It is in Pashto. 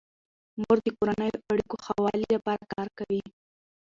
مور د کورنیو اړیکو ښه والي لپاره کار کوي.